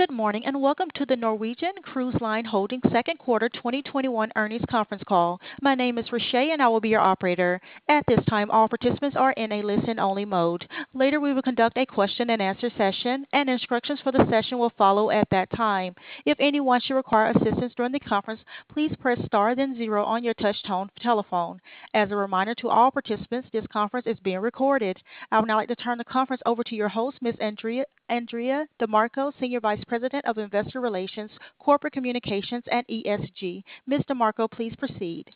Good morning, welcome to the Norwegian Cruise Line Holdings Second Quarter 2021 Earnings Conference Call. My name is Richay, I will be your operator. At this time, all participants are in a listen-only mode. Later, we will conduct a question-and-answer session, instructions for the session will follow at that time. If anyone should require assistance during the conference, please press star then zero on your touchtone telephone. As a reminder to all participants, this conference is being recorded. I would now like to turn the conference over to your host, Ms. Andrea DeMarco, Senior Vice President of Investor Relations, Corporate Communications, and ESG. Ms. DeMarco, please proceed.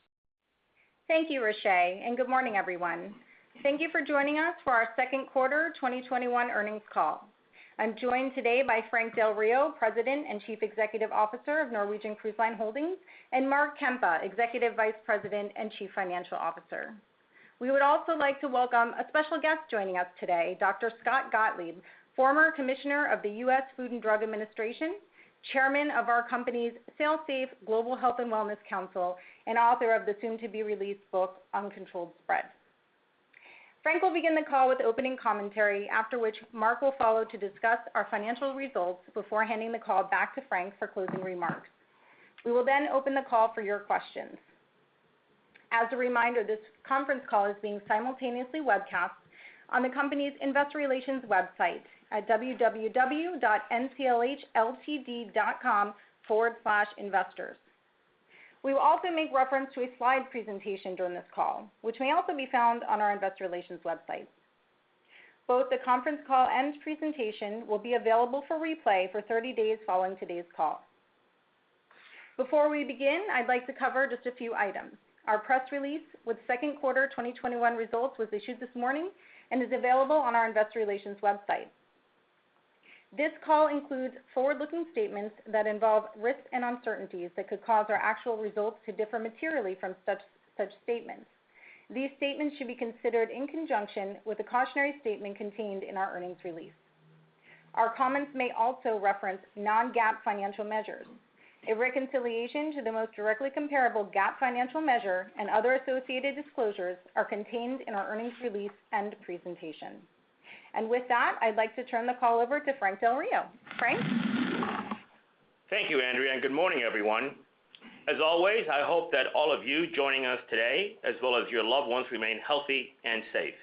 Thank you, Richay. Good morning, everyone. Thank you for joining us for our second quarter 2021 earnings call. I'm joined today by Frank Del Rio, President and Chief Executive Officer of Norwegian Cruise Line Holdings, and Mark Kempa, Executive Vice President and Chief Financial Officer. We would also like to welcome a special guest joining us today, Dr. Scott Gottlieb, Former Commissioner of the U.S. Food and Drug Administration, Chairman of our company's SailSAFE Global Health and Wellness Council, and author of the soon-to-be-released book, "Uncontrolled Spread." Frank will begin the call with opening commentary, after which Mark will follow to discuss our financial results before handing the call back to Frank for closing remarks. We will open the call for your questions. As a reminder, this conference call is being simultaneously webcast on the company's investor relations website at www.nclhltd.com/investors. We will also make reference to a slide presentation during this call, which may also be found on our investor relations website. Both the conference call and presentation will be available for replay for 30 days following today's call. Before we begin, I'd like to cover just a few items. Our press release with second quarter 2021 results was issued this morning and is available on our investor relations website. This call includes forward-looking statements that involve risks and uncertainties that could cause our actual results to differ materially from such statements. These statements should be considered in conjunction with the cautionary statement contained in our earnings release. Our comments may also reference non-GAAP financial measures. A reconciliation to the most directly comparable GAAP financial measure and other associated disclosures are contained in our earnings release and presentation. With that, I'd like to turn the call over to Frank Del Rio. Frank? Thank you, Andrea. Good morning, everyone. As always, I hope that all of you joining us today, as well as your loved ones, remain healthy and safe.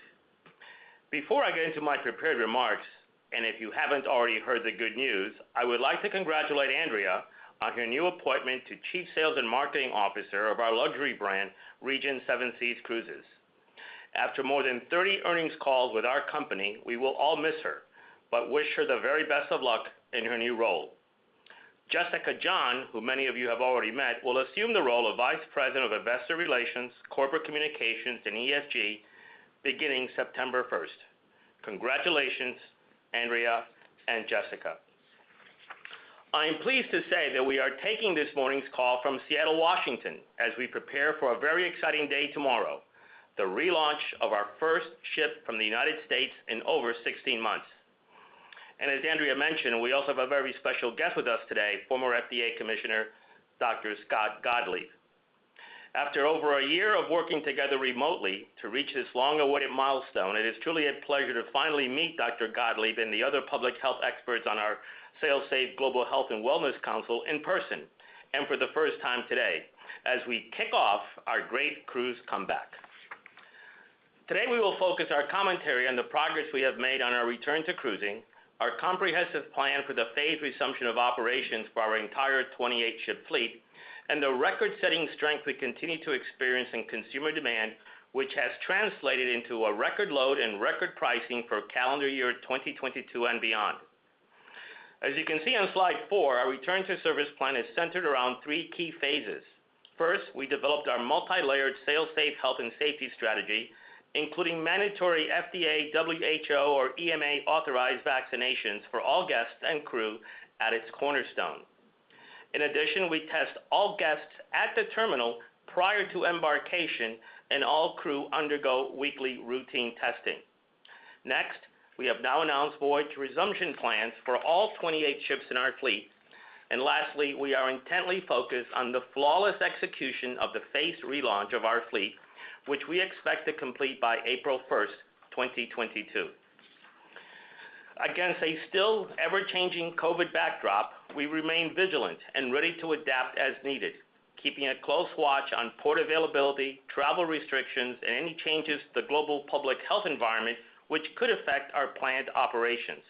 Before I get into my prepared remarks, and if you haven't already heard the good news, I would like to congratulate Andrea on her new appointment to Chief Sales and Marketing Officer of our luxury brand, Regent Seven Seas Cruises. After more than 30 earnings calls with our company, we will all miss her, but wish her the very best of luck in her new role. Jessica John, who many of you have already met, will assume the role of Vice President of Investor Relations, Corporate Communications, and ESG beginning September 1st. Congratulations, Andrea and Jessica. I am pleased to say that we are taking this morning's call from Seattle, Washington, as we prepare for a very exciting day tomorrow, the relaunch of our first ship from the United States in over 16 months. As Andrea mentioned, we also have a very special guest with us today, former FDA Commissioner, Dr. Scott Gottlieb. After over a year of working together remotely to reach this long-awaited milestone, it is truly a pleasure to finally meet Dr. Gottlieb and the other public health experts on our SailSAFE Global Health and Wellness Council in person, and for the first time today, as we kick off our great cruise comeback. Today, we will focus our commentary on the progress we have made on our return to cruising, our comprehensive plan for the phased resumption of operations for our entire 28-ship fleet, and the record-setting strength we continue to experience in consumer demand, which has translated into a record load and record pricing for calendar year 2022 and beyond. As you can see on slide 4, our return to service plan is centered around three key phases. First, we developed our multi-layered SailSAFE Health and Safety strategy, including mandatory FDA, WHO, or EMA-authorized vaccinations for all guests and crew at its cornerstone. In addition, we test all guests at the terminal prior to embarkation, and all crew undergo weekly routine testing. Next, we have now announced voyage resumption plans for all 28 ships in our fleet. Lastly, we are intently focused on the flawless execution of the phased relaunch of our fleet, which we expect to complete by April 1st, 2022. Against a still ever-changing COVID backdrop, we remain vigilant and ready to adapt as needed, keeping a close watch on port availability, travel restrictions, and any changes to the global public health environment which could affect our planned operations.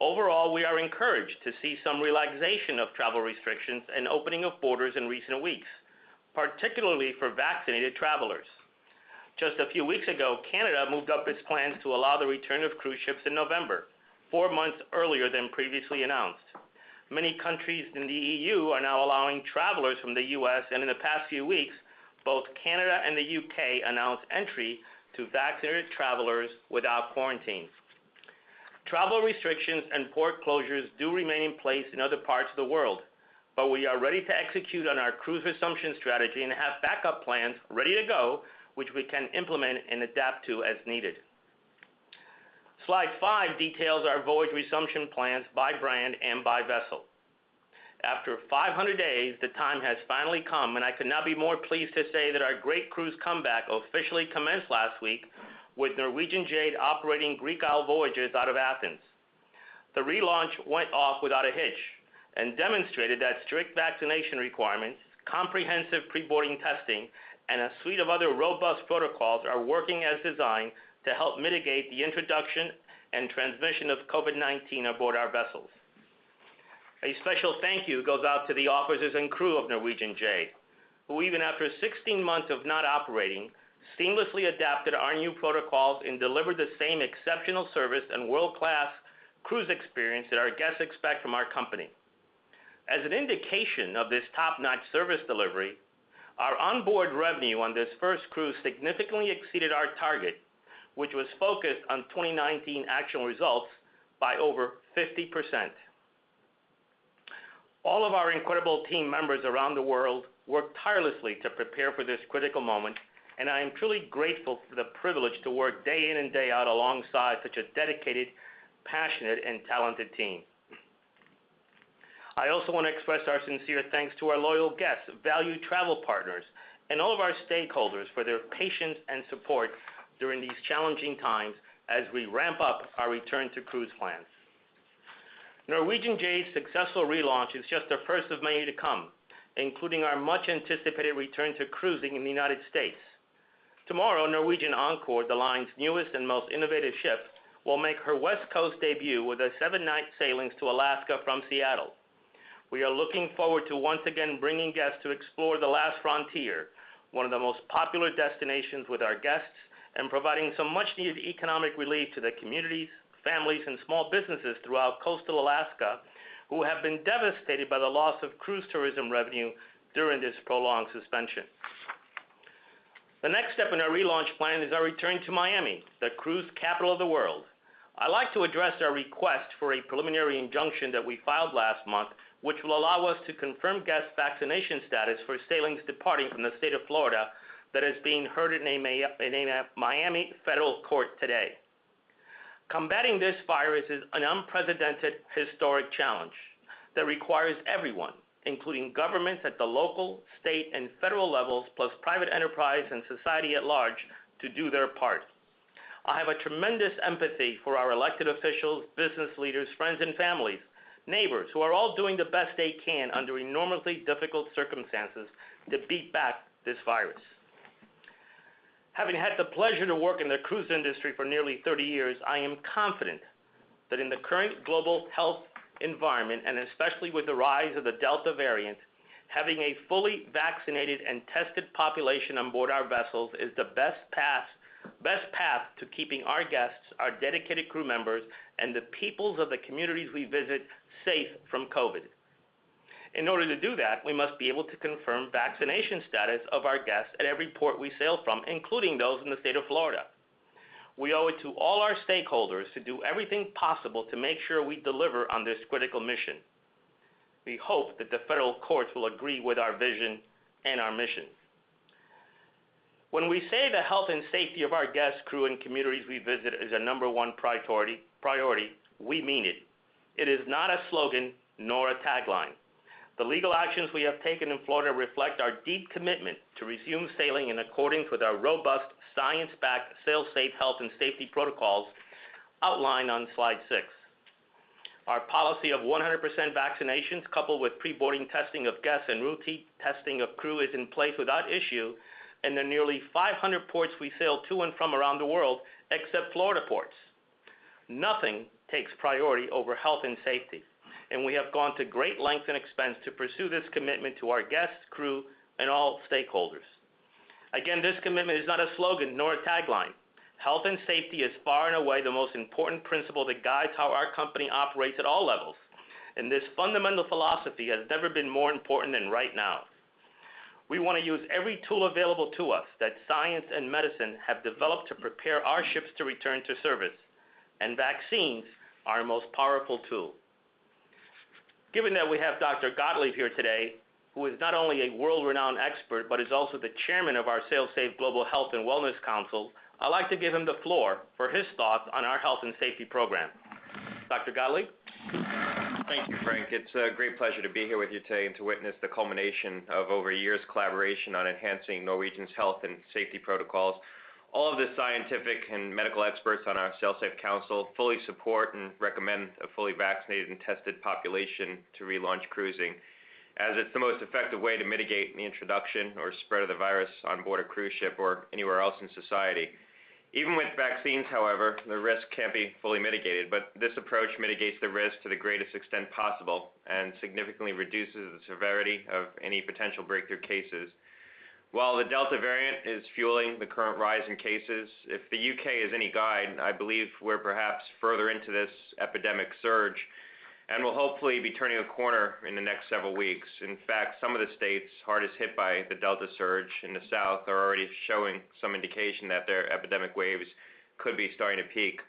Overall, we are encouraged to see some relaxation of travel restrictions and opening of borders in recent weeks, particularly for vaccinated travelers. Just a few weeks ago, Canada moved up its plans to allow the return of cruise ships in November, four months earlier than previously announced. Many countries in the EU are now allowing travelers from the U.S., and in the past few weeks, both Canada and the U.K. announced entry to vaccinated travelers without quarantine. Travel restrictions and port closures do remain in place in other parts of the world, but we are ready to execute on our cruise resumption strategy and have backup plans ready to go, which we can implement and adapt to as needed. Slide five details our voyage resumption plans by brand and by vessel. After 500 days, the time has finally come, and I could not be more pleased to say that our great cruise comeback officially commenced last week with Norwegian Jade operating Greek Isle voyages out of Athens. The relaunch went off without a hitch and demonstrated that strict vaccination requirements, comprehensive pre-boarding testing, and a suite of other robust protocols are working as designed to help mitigate the introduction and transmission of COVID-19 aboard our vessels. A special thank you goes out to the officers and crew of Norwegian Jade, who even after 16 months of not operating, seamlessly adapted our new protocols and delivered the same exceptional service and world-class cruise experience that our guests expect from our company. As an indication of this top-notch service delivery, our onboard revenue on this first cruise significantly exceeded our target, which was focused on 2019 actual results by over 50%. All of our incredible team members around the world worked tirelessly to prepare for this critical moment, and I am truly grateful for the privilege to work day in and day out alongside such a dedicated, passionate, and talented team. I also want to express our sincere thanks to our loyal guests, valued travel partners, and all of our stakeholders for their patience and support during these challenging times as we ramp up our return to cruise plans. Norwegian Jade's successful relaunch is just the first of many to come, including our much-anticipated return to cruising in the United States. Tomorrow, Norwegian Encore, the line's newest and most innovative ship, will make her West Coast debut with a seven-night sailing to Alaska from Seattle. We are looking forward to once again bringing guests to explore the last frontier, one of the most popular destinations with our guests, and providing some much-needed economic relief to the communities, families, and small businesses throughout coastal Alaska who have been devastated by the loss of cruise tourism revenue during this prolonged suspension. The next step in our relaunch plan is our return to Miami, the cruise capital of the world. I'd like to address our request for a preliminary injunction that we filed last month, which will allow us to confirm guest vaccination status for sailings departing from the state of Florida that is being heard in a Miami federal court today. Combating this virus is an unprecedented historic challenge that requires everyone, including governments at the local, state, and federal levels, plus private enterprise and society at large, to do their part. I have a tremendous empathy for our elected officials, business leaders, friends and families, neighbors who are all doing the best they can under enormously difficult circumstances to beat back this virus. Having had the pleasure to work in the cruise industry for nearly 30 years, I am confident that in the current global health environment, and especially with the rise of the Delta variant, having a fully vaccinated and tested population on board our vessels is the best path to keeping our guests, our dedicated crew members, and the peoples of the communities we visit safe from COVID. In order to do that, we must be able to confirm vaccination status of our guests at every port we sail from, including those in the state of Florida. We owe it to all our stakeholders to do everything possible to make sure we deliver on this critical mission. We hope that the federal courts will agree with our vision and our mission. When we say the health and safety of our guests, crew, and communities we visit is a number one priority, we mean it. It is not a slogan nor a tagline. The legal actions we have taken in Florida reflect our deep commitment to resume sailing in accordance with our robust science-backed SailSAFE health and safety protocols outlined on slide six. Our policy of 100% vaccinations coupled with pre-boarding testing of guests and routine testing of crew is in place without issue in the nearly 500 ports we sail to and from around the world, except Florida ports. Nothing takes priority over health and safety, and we have gone to great lengths and expense to pursue this commitment to our guests, crew, and all stakeholders. Again, this commitment is not a slogan nor a tagline. Health and safety is far and away the most important principle that guides how our company operates at all levels, and this fundamental philosophy has never been more important than right now. We want to use every tool available to us that science and medicine have developed to prepare our ships to return to service, and vaccines are our most powerful tool. Given that we have Dr. Gottlieb here today, who is not only a world-renowned expert, but is also the chairman of our SailSAFE Global Health and Wellness Council, I'd like to give him the floor for his thoughts on our health and safety program. Dr. Gottlieb? Thank you, Frank. It's a great pleasure to be here with you today and to witness the culmination of over a year's collaboration on enhancing Norwegian's health and safety protocols. All of the scientific and medical experts on our SailSAFE council fully support and recommend a fully vaccinated and tested population to relaunch cruising, as it's the most effective way to mitigate the introduction or spread of the virus on board a cruise ship or anywhere else in society. Even with vaccines, however, the risk can't be fully mitigated, but this approach mitigates the risk to the greatest extent possible and significantly reduces the severity of any potential breakthrough cases. While the Delta variant is fueling the current rise in cases, if the U.K. is any guide, I believe we're perhaps further into this epidemic surge, and we'll hopefully be turning a corner in the next several weeks. In fact, some of the states hardest hit by the Delta surge in the South are already showing some indication that their epidemic waves could be starting to peak.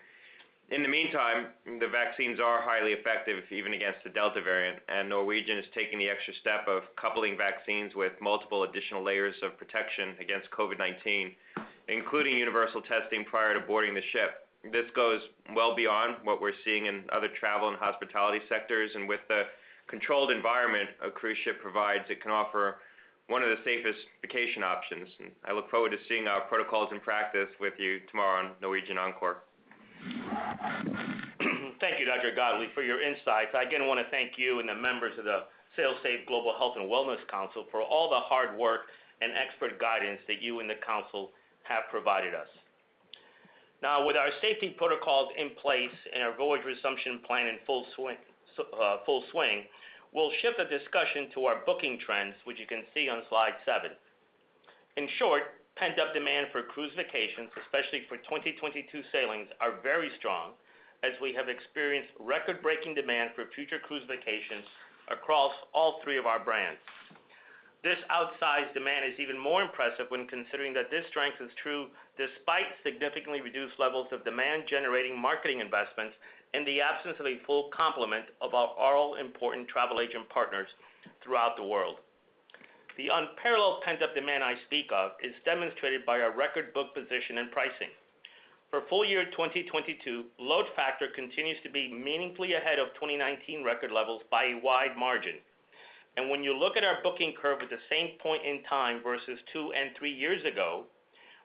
In the meantime, the vaccines are highly effective even against the Delta variant, and Norwegian is taking the extra step of coupling vaccines with multiple additional layers of protection against COVID-19, including universal testing prior to boarding the ship. This goes well beyond what we're seeing in other travel and hospitality sectors, and with the controlled environment a cruise ship provides, it can offer one of the safest vacation options. I look forward to seeing our protocols in practice with you tomorrow on Norwegian Encore. Thank you, Dr. Gottlieb, for your insights. I again want to thank you and the members of the SailSAFE Global Health and Wellness Council for all the hard work and expert guidance that you and the council have provided us. With our safety protocols in place and our voyage resumption plan in full swing, we'll shift the discussion to our booking trends, which you can see on slide seven. In short, pent-up demand for cruise vacations, especially for 2022 sailings, are very strong as we have experienced record-breaking demand for future cruise vacations across all three of our brands. This outsized demand is even more impressive when considering that this strength is true despite significantly reduced levels of demand-generating marketing investments in the absence of a full complement of our all-important travel agent partners throughout the world. The unparalleled pent-up demand I speak of is demonstrated by our record book position and pricing. For full year 2022, load factor continues to be meaningfully ahead of 2019 record levels by a wide margin. When you look at our booking curve at the same point in time versus two and three years ago,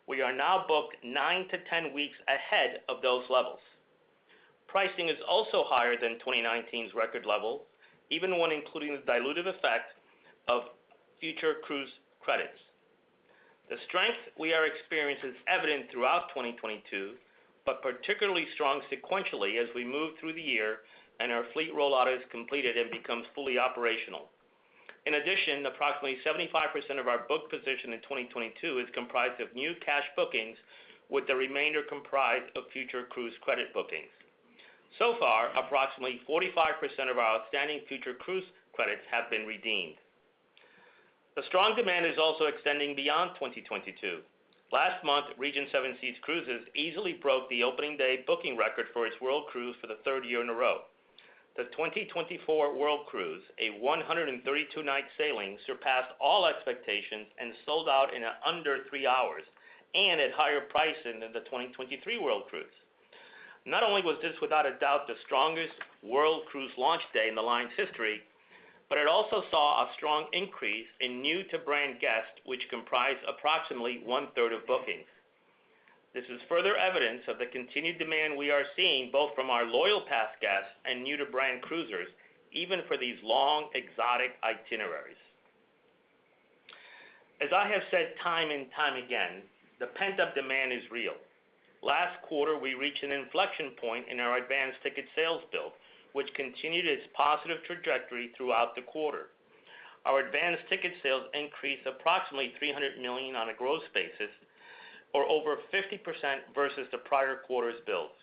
we are now booked 9-10 weeks ahead of those levels. Pricing is also higher than 2019's record level, even when including the dilutive effect of future cruise credits. The strength we are experiencing is evident throughout 2022, but particularly strong sequentially as we move through the year and our fleet rollout is completed and becomes fully operational. In addition, approximately 75% of our book position in 2022 is comprised of new cash bookings, with the remainder comprised of future cruise credit bookings. So far, approximately 45% of our outstanding future cruise credits have been redeemed. The strong demand is also extending beyond 2022. Last month, Regent Seven Seas Cruises easily broke the opening day booking record for its World Cruise for the third year in a row. The 2024 World Cruise, a 132-night sailing, surpassed all expectations and sold out in under three hours, and at higher pricing than the 2023 World Cruise. Not only was this without a doubt the strongest World Cruise launch day in the line's history, but it also saw a strong increase in new-to-brand guests, which comprised approximately one third of bookings. This is further evidence of the continued demand we are seeing both from our loyal past guests and new-to-brand cruisers, even for these long, exotic itineraries. As I have said time and time again, the pent-up demand is real. Last quarter, we reached an inflection point in our advanced ticket sales build, which continued its positive trajectory throughout the quarter. Our advanced ticket sales increased approximately $300 million on a gross basis, or over 50% versus the prior quarter's builds.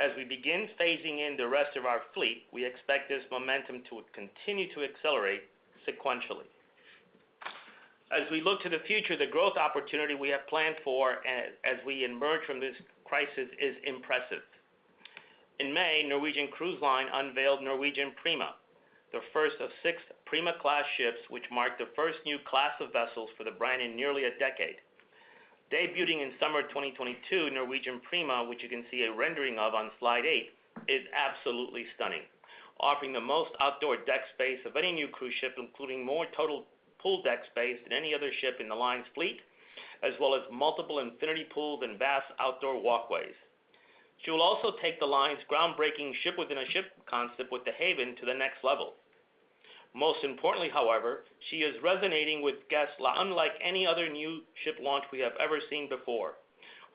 As we begin phasing in the rest of our fleet, we expect this momentum to continue to accelerate sequentially. As we look to the future, the growth opportunity we have planned for as we emerge from this crisis is impressive. In May, Norwegian Cruise Line unveiled Norwegian Prima, the first of six Prima-class ships, which marked the first new class of vessels for the brand in nearly a decade. Debuting in summer 2022, Norwegian Prima, which you can see a rendering of on slide eight, is absolutely stunning. Offering the most outdoor deck space of any new cruise ship, including more total pool deck space than any other ship in the line's fleet, as well as multiple infinity pools and vast outdoor walkways. She will also take the line's groundbreaking ship-within-a-ship concept with The Haven to the next level. Most importantly, however, she is resonating with guests unlike any other new ship launch we have ever seen before.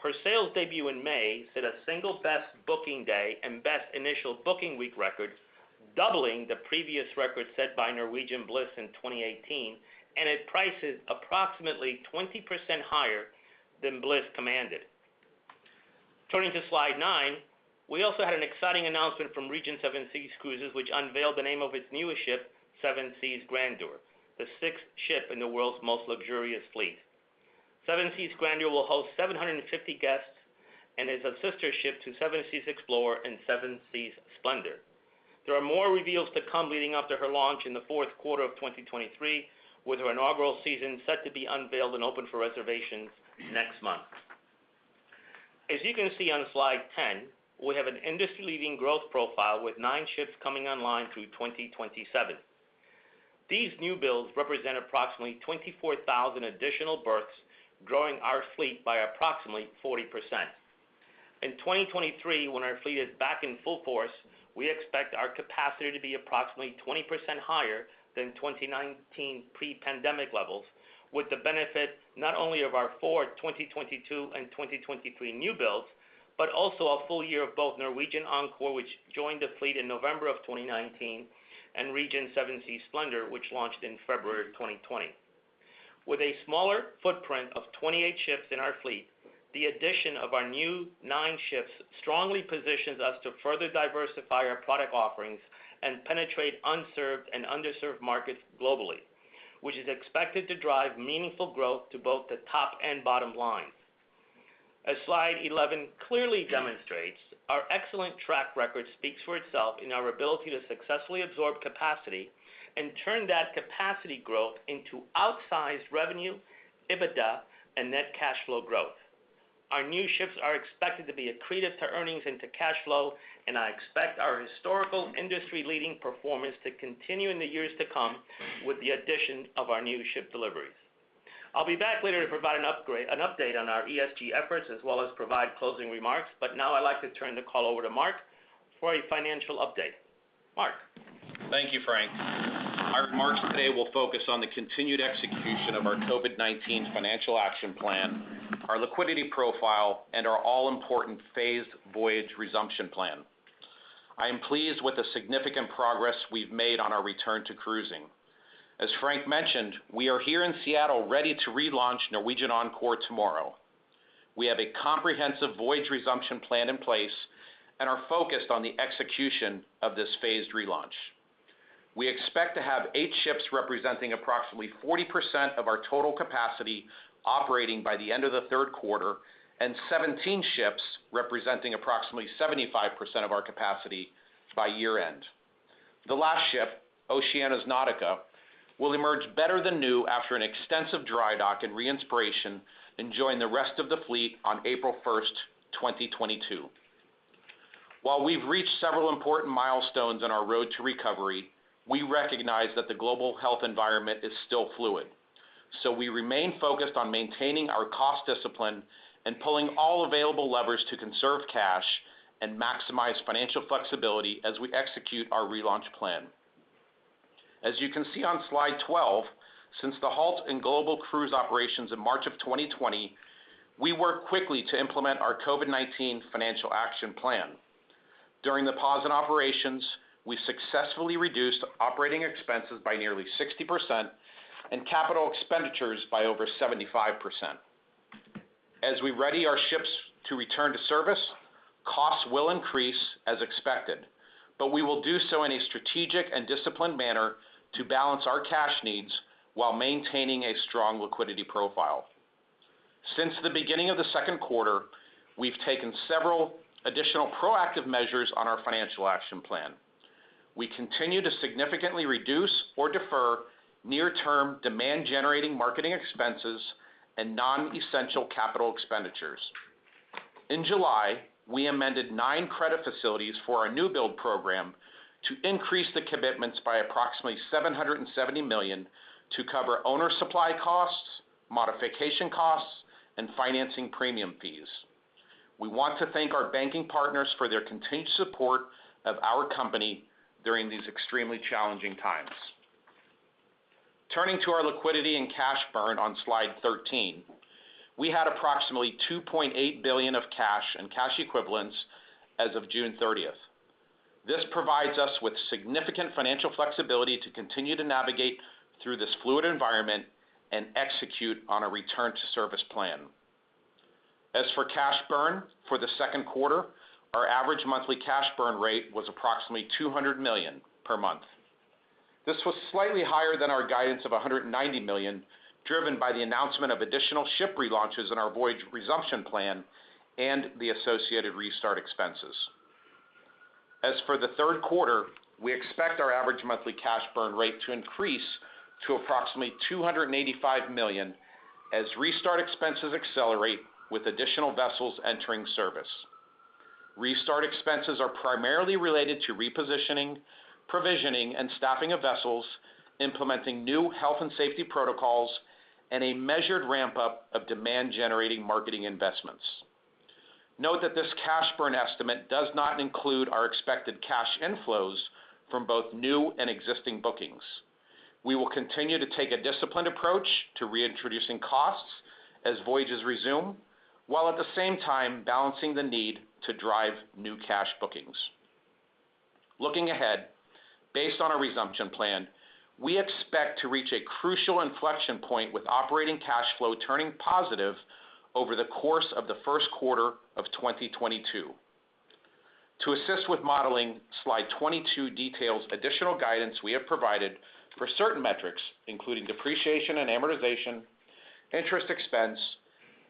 Her sales debut in May set a single best booking day and best initial booking week records, doubling the previous record set by Norwegian Bliss in 2018, and at prices approximately 20% higher than Bliss commanded. Turning to slide nine, we also had an exciting announcement from Regent Seven Seas Cruises, which unveiled the name of its newest ship, Seven Seas Grandeur, the sixth ship in the world's most luxurious fleet. Seven Seas Grandeur will host 750 guests and is a sister ship to Seven Seas Explorer and Seven Seas Splendor. There are more reveals to come leading up to her launch in the fourth quarter of 2023, with her inaugural season set to be unveiled and open for reservations next month. As you can see on slide 10, we have an industry-leading growth profile with nine ships coming online through 2027. These new builds represent approximately 24,000 additional berths, growing our fleet by approximately 40%. In 2023, when our fleet is back in full force, we expect our capacity to be approximately 20% higher than 2019 pre-pandemic levels, with the benefit not only of our four 2022 and 2023 new builds, but also a full year of both Norwegian Encore, which joined the fleet in November of 2019, and Regent Seven Seas Splendor, which launched in February of 2020. With a smaller footprint of 28 ships in our fleet, the addition of our new nine ships strongly positions us to further diversify our product offerings and penetrate unserved and underserved markets globally. Which is expected to drive meaningful growth to both the top and bottom line. As slide 11 clearly demonstrates, our excellent track record speaks for itself in our ability to successfully absorb capacity and turn that capacity growth into outsized revenue, EBITDA, and net cash flow growth. Our new ships are expected to be accretive to earnings and to cash flow, and I expect our historical industry-leading performance to continue in the years to come with the addition of our new ship deliveries. I'll be back later to provide an update on our ESG efforts, as well as provide closing remarks. Now I'd like to turn the call over to Mark for a financial update. Mark. Thank you, Frank. Our remarks today will focus on the continued execution of our COVID-19 financial action plan, our liquidity profile, and our all-important phased voyage resumption plan. I am pleased with the significant progress we've made on our return to cruising. As Frank mentioned, we are here in Seattle ready to relaunch Norwegian Encore tomorrow. We have a comprehensive voyage resumption plan in place and are focused on the execution of this phased relaunch. We expect to have eight ships representing approximately 40% of our total capacity operating by the end of the third quarter and 17 ships representing approximately 75% of our capacity by year-end. The last ship, Oceania Nautica, will emerge better than new after an extensive dry dock and re-inspiration and join the rest of the fleet on April 1st, 2022. While we've reached several important milestones on our road to recovery, we recognize that the global health environment is still fluid. We remain focused on maintaining our cost discipline and pulling all available levers to conserve cash and maximize financial flexibility as we execute our relaunch plan. As you can see on slide 12, since the halt in global cruise operations in March of 2020, we worked quickly to implement our COVID-19 financial action plan. During the pause in operations, we successfully reduced operating expenses by nearly 60% and capital expenditures by over 75%. As we ready our ships to return to service, costs will increase as expected, but we will do so in a strategic and disciplined manner to balance our cash needs while maintaining a strong liquidity profile. Since the beginning of the second quarter, we've taken several additional proactive measures on our financial action plan. We continue to significantly reduce or defer near-term demand-generating marketing expenses and non-essential capital expenditures. In July, we amended nine credit facilities for our new-build program to increase the commitments by approximately $770 million to cover owner supply costs, modification costs, and financing premium fees. We want to thank our banking partners for their continued support of our company during these extremely challenging times. Turning to our liquidity and cash burn on Slide 13. We had approximately $2.8 billion of cash and cash equivalents as of June 30th. This provides us with significant financial flexibility to continue to navigate through this fluid environment and execute on a return-to-service plan. As for cash burn for the second quarter, our average monthly cash burn rate was approximately $200 million per month. This was slightly higher than our guidance of $190 million, driven by the announcement of additional ship relaunches in our voyage resumption plan and the associated restart expenses. As for the third quarter, we expect our average monthly cash burn rate to increase to approximately $285 million as restart expenses accelerate with additional vessels entering service. Restart expenses are primarily related to repositioning, provisioning, and staffing of vessels, implementing new health and safety protocols, and a measured ramp-up of demand-generating marketing investments. Note that this cash burn estimate does not include our expected cash inflows from both new and existing bookings. We will continue to take a disciplined approach to reintroducing costs as voyages resume, while at the same time balancing the need to drive new cash bookings. Looking ahead, based on our resumption plan, we expect to reach a crucial inflection point with operating cash flow turning positive over the course of the first quarter of 2022. To assist with modeling, slide 22 details additional guidance we have provided for certain metrics, including depreciation and amortization, interest expense,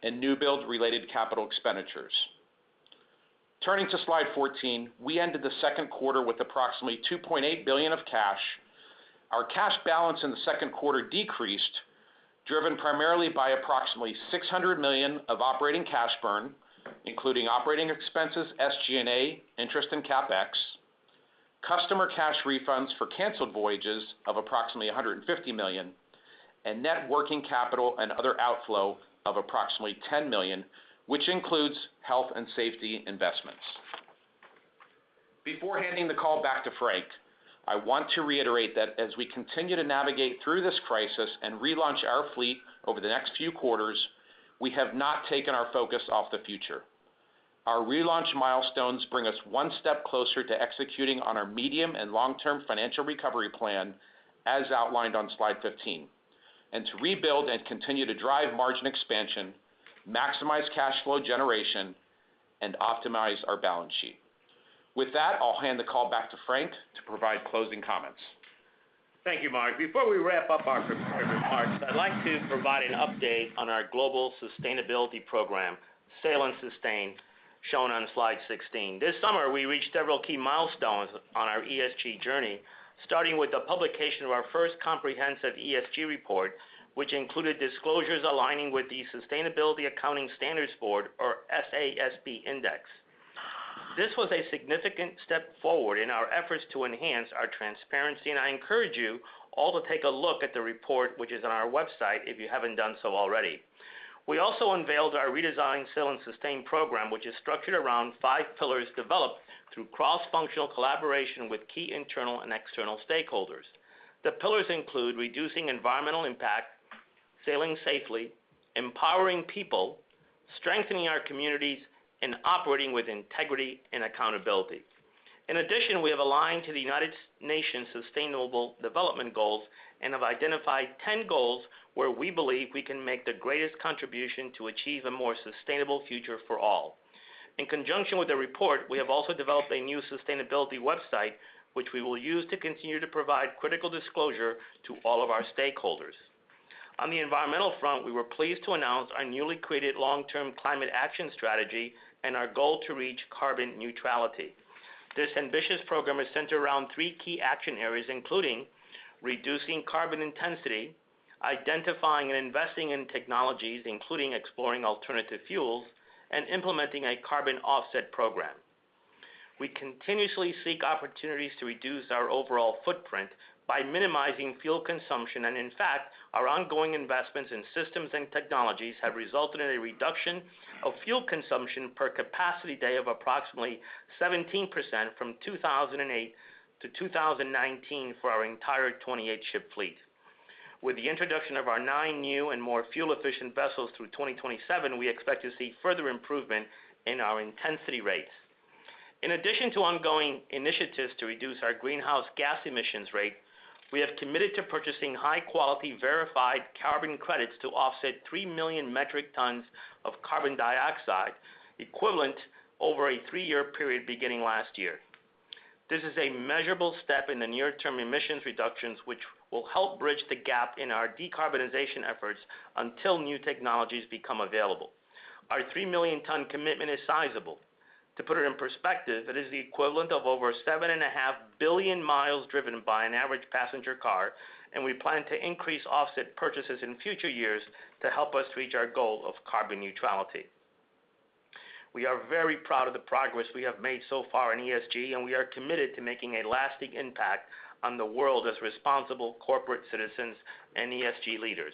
and new build-related CapEx. Turning to slide 14, we ended the second quarter with approximately $2.8 billion of cash. Our cash balance in the second quarter decreased, driven primarily by approximately $600 million of operating cash burn, including operating expenses, SG&A, interest and CapEx, customer cash refunds for canceled voyages of approximately $150 million, and net working capital and other outflow of approximately $10 million, which includes health and safety investments. Before handing the call back to Frank, I want to reiterate that as we continue to navigate through this crisis and relaunch our fleet over the next few quarters, we have not taken our focus off the future. Our relaunch milestones bring us one step closer to executing on our medium and long-term financial recovery plan as outlined on slide 15, and to rebuild and continue to drive margin expansion, maximize cash flow generation, and optimize our balance sheet. With that, I'll hand the call back to Frank to provide closing comments. Thank you, Mark. Before we wrap up our prepared remarks, I'd like to provide an update on our global sustainability program, Sail & Sustain, shown on slide 16. This summer, we reached several key milestones on our ESG journey, starting with the publication of our first comprehensive ESG report, which included disclosures aligning with the Sustainability Accounting Standards Board, or SASB index. This was a significant step forward in our efforts to enhance our transparency, and I encourage you all to take a look at the report, which is on our website, if you haven't done so already. We also unveiled our redesigned Sail & Sustain program, which is structured around five pillars developed through cross-functional collaboration with key internal and external stakeholders. The pillars include reducing environmental impact, sailing safely, empowering people, strengthening our communities, and operating with integrity and accountability. In addition, we have aligned to the United Nations Sustainable Development Goals and have identified 10 goals where we believe we can make the greatest contribution to achieve a more sustainable future for all. In conjunction with the report, we have also developed a new sustainability website, which we will use to continue to provide critical disclosure to all of our stakeholders. On the environmental front, we were pleased to announce our newly created long-term climate action strategy and our goal to reach carbon neutrality. This ambitious program is centered around three key action areas, including reducing carbon intensity, identifying and investing in technologies, including exploring alternative fuels, and implementing a carbon offset program. We continuously seek opportunities to reduce our overall footprint by minimizing fuel consumption. In fact, our ongoing investments in systems and technologies have resulted in a reduction of fuel consumption per capacity day of approximately 17% from 2008-2019 for our entire 28-ship fleet. With the introduction of our nine new and more fuel-efficient vessels through 2027, we expect to see further improvement in our intensity rates. In addition to ongoing initiatives to reduce our greenhouse gas emissions rate, we have committed to purchasing high-quality verified carbon credits to offset 3 million metric tons of carbon dioxide equivalent over a three-year period beginning last year. This is a measurable step in the near-term emissions reductions, which will help bridge the gap in our decarbonization efforts until new technologies become available. Our 3-million-ton commitment is sizable. To put it in perspective, it is the equivalent of over 7.5 billion miles driven by an average passenger car, and we plan to increase offset purchases in future years to help us reach our goal of carbon neutrality. We are very proud of the progress we have made so far in ESG, and we are committed to making a lasting impact on the world as responsible corporate citizens and ESG leaders.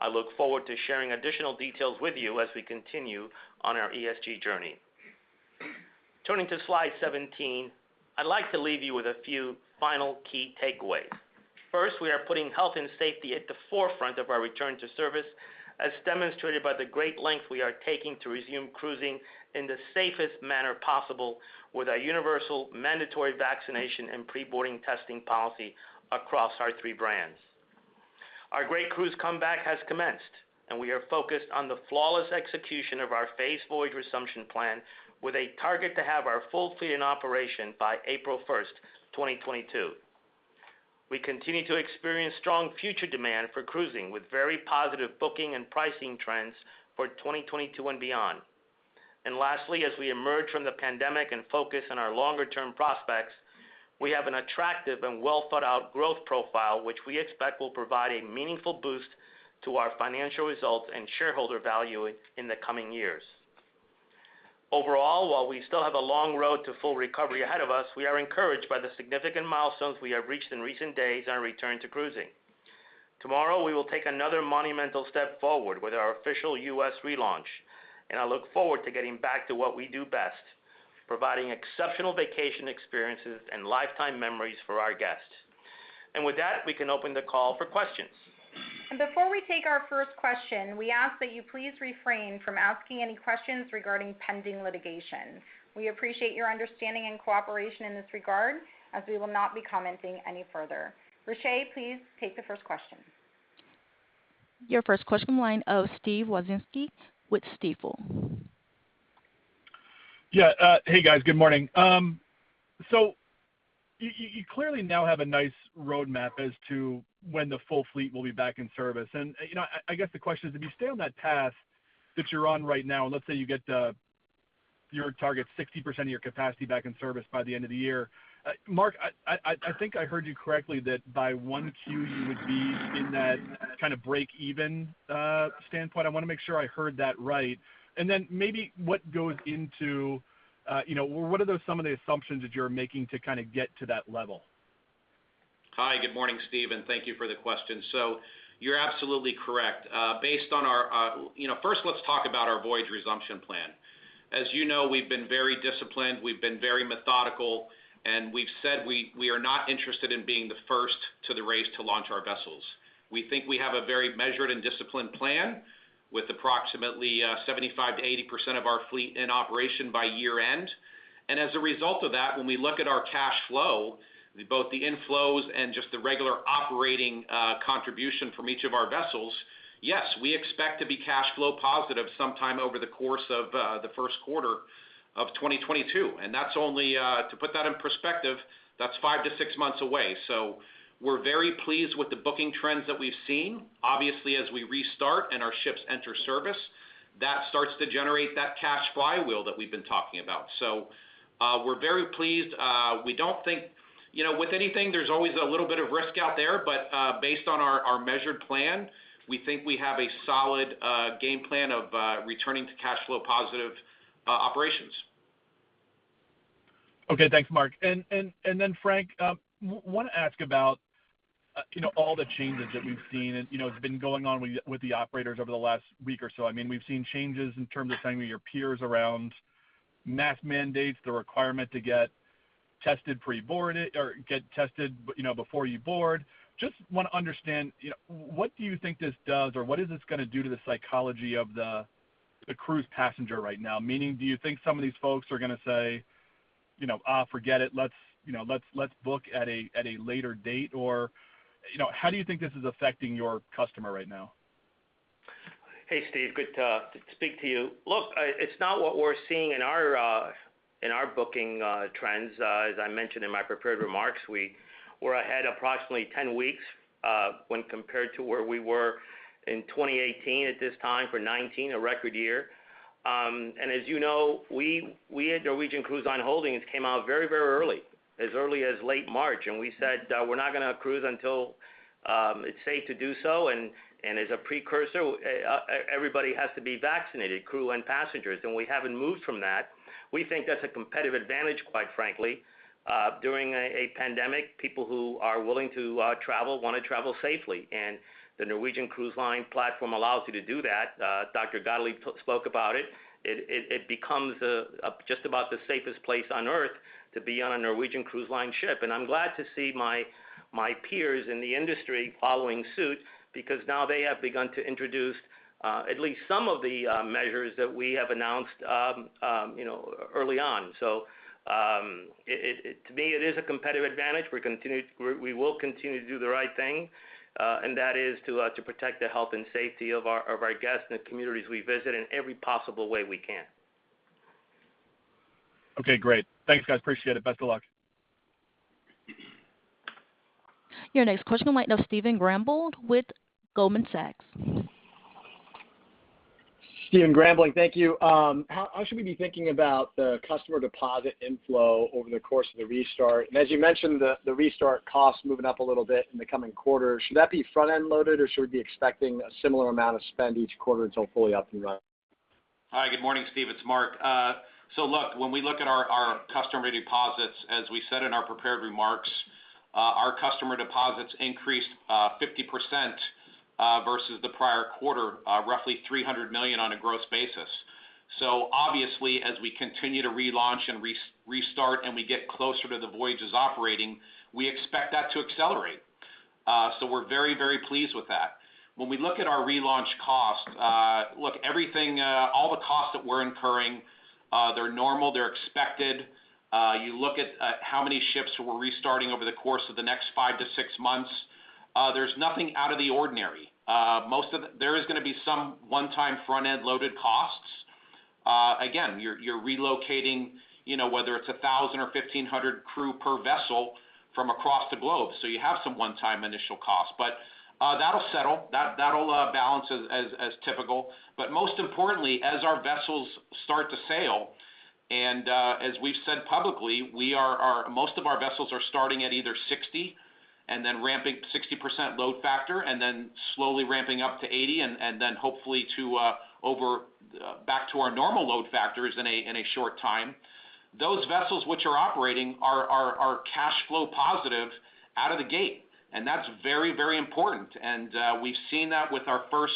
I look forward to sharing additional details with you as we continue on our ESG journey. Turning to slide 17, I'd like to leave you with a few final key takeaways. First, we are putting health and safety at the forefront of our return to service, as demonstrated by the great length we are taking to resume cruising in the safest manner possible with our universal mandatory vaccination and pre-boarding testing policy across our three brands. Our great cruise comeback has commenced, and we are focused on the flawless execution of our phased voyage resumption plan with a target to have our full fleet in operation by April 1st, 2022. We continue to experience strong future demand for cruising, with very positive booking and pricing trends for 2022 and beyond. Lastly, as we emerge from the pandemic and focus on our longer-term prospects, we have an attractive and well-thought-out growth profile, which we expect will provide a meaningful boost to our financial results and shareholder value in the coming years. Overall, while we still have a long road to full recovery ahead of us, we are encouraged by the significant milestones we have reached in recent days on our return to cruising. Tomorrow, we will take another monumental step forward with our official U.S. relaunch, and I look forward to getting back to what we do best, providing exceptional vacation experiences and lifetime memories for our guests. With that, we can open the call for questions. Before we take our first question, we ask that you please refrain from asking any questions regarding pending litigation. We appreciate your understanding and cooperation in this regard, as we will not be commenting any further. Richay, please take the first question. Your first question, line of Steve Wieczynski with Stifel. Yeah. Hey, guys. Good morning. You clearly now have a nice roadmap as to when the full fleet will be back in service. I guess the question is, if you stay on that path that you're on right now, and let's say you get your target 60% of your capacity back in service by the end of the year. Mark, I think I heard you correctly that by 1Q you would be in that kind of break-even standpoint. I want to make sure I heard that right. Then maybe what goes into or what are some of the assumptions that you're making to kind of get to that level? Hi, good morning, Steve, thank you for the question. You're absolutely correct. First, let's talk about our voyage resumption plan. As you know, we've been very disciplined, we've been very methodical, and we've said we are not interested in being the first to the race to launch our vessels. We think we have a very measured and disciplined plan with approximately 75%-80% of our fleet in operation by year-end. As a result of that, when we look at our cash flow, both the inflows and just the regular operating contribution from each of our vessels, yes, we expect to be cash flow positive sometime over the course of the first quarter of 2022. To put that in perspective, that's five to six months away. We're very pleased with the booking trends that we've seen. Obviously, as we restart and our ships enter service, that starts to generate that cash flywheel that we've been talking about. We're very pleased. With anything, there's always a little bit of risk out there, but based on our measured plan, we think we have a solid game plan of returning to cash flow positive operations. Okay. Thanks, Mark. Then Frank, want to ask about all the changes that we've seen, and it's been going on with the operators over the last week or so. We've seen changes in terms of some of your peers around mask mandates, the requirement to get tested pre-boarded or get tested before you board. Just want to understand, what do you think this does, or what is this going to do to the psychology of the cruise passenger right now? Meaning, do you think some of these folks are going to say, "forget it. Let's book at a later date?" How do you think this is affecting your customer right now? Hey, Steve. Good to speak to you. Look, it's not what we're seeing in our booking trends. As I mentioned in my prepared remarks, we were ahead approximately 10 weeks, when compared to where we were in 2018 at this time, for 2019, a record year. As you know, we at Norwegian Cruise Line Holdings came out very early, as early as late March, and we said we're not going to cruise until it's safe to do so, and as a precursor, everybody has to be vaccinated, crew and passengers, and we haven't moved from that. We think that's a competitive advantage, quite frankly. During a pandemic, people who are willing to travel want to travel safely, and the Norwegian Cruise Line platform allows you to do that. Dr. Scott Gottlieb spoke about it. It becomes just about the safest place on Earth to be on a Norwegian Cruise Line ship. I'm glad to see my peers in the industry following suit because now they have begun to introduce at least some of the measures that we have announced early on. To me, it is a competitive advantage. We will continue to do the right thing, and that is to protect the health and safety of our guests and the communities we visit in every possible way we can. Okay, great. Thanks, guys. Appreciate it. Best of luck. Your next question on the line, now Stephen Grambling with Goldman Sachs. Stephen Grambling, thank you. How should we be thinking about the customer deposit inflow over the course of the restart? As you mentioned, the restart cost moving up a little bit in the coming quarters. Should that be front-end loaded, or should we be expecting a similar amount of spend each quarter until fully up and running? Hi. Good morning, Steve. It's Mark. Look, when we look at our customer deposits, as we said in our prepared remarks, our customer deposits increased 50% versus the prior quarter, roughly $300 million on a gross basis. Obviously, as we continue to relaunch and restart, and we get closer to the voyages operating, we expect that to accelerate. We're very pleased with that. When we look at our relaunch cost, look, all the costs that we're incurring, they're normal, they're expected. You look at how many ships we're restarting over the course of the next five to six months. There's nothing out of the ordinary. There is going to be some one-time front-end loaded costs. Again, you're relocating, whether it's 1,000 or 1,500 crew per vessel from across the globe. You have some one-time initial costs. That'll settle. That'll balance as typical. Most importantly, as our vessels start to sail, as we've said publicly, most of our vessels are starting at either 60% load factor, then slowly ramping up to 80%, then hopefully back to our normal load factors in a short time. Those vessels which are operating are cash flow positive out of the gate, and that's very important. We've seen that with our first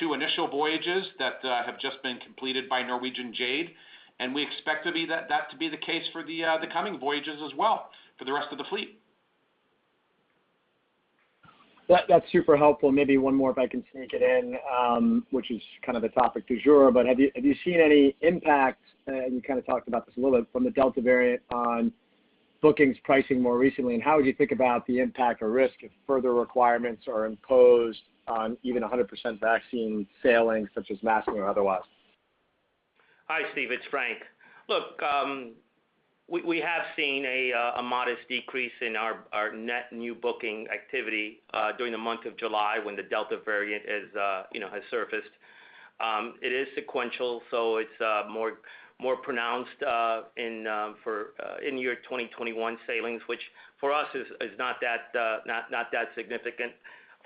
two initial voyages that have just been completed by Norwegian Jade, and we expect that to be the case for the coming voyages as well, for the rest of the fleet. That's super helpful. Maybe one more if I can sneak it in, which is kind of the topic du jour, but have you seen any impact, you kind of talked about this a little bit, from the Delta variant on bookings pricing more recently, and how would you think about the impact or risk if further requirements are imposed on even 100% vaccine sailing, such as masking or otherwise? Hi, Steve. It's Frank. Look, we have seen a modest decrease in our net new booking activity during the month of July, when the Delta variant has surfaced. It is sequential, so it's more pronounced in your 2021 sailings, which for us is not that significant.